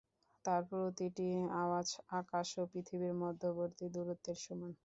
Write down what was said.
তার প্রতিটি আওয়াজ আকাশ ও পৃথিবীর মধ্যবর্তী দূরত্বের সমান।